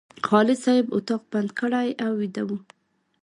خالد صاحب اتاق بند کړی او ویده و.